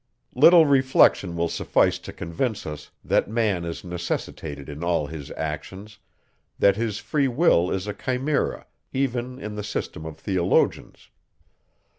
Little reflection will suffice to convince us, that man is necessitated in all his actions, that his free will is a chimera, even in the system of theologians.